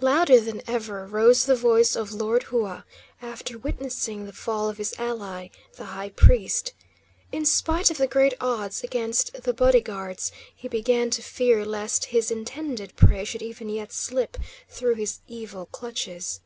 Louder than ever rose the voice of Lord Hua, after witnessing the fall of his ally, the high priest. In spite of the great odds against the body guards, he began to fear lest his intended prey should even yet slip through his evil clutches.